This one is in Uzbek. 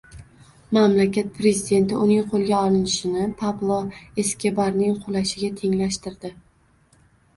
Mamlakat prezidenti uning qo‘lga olinishini “Pablo Eskobarning qulashi”ga tenglashtirdi